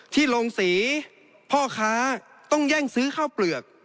ที่โรงสีพ่อค้าต้องแย่งซื้อข้าวเปลือก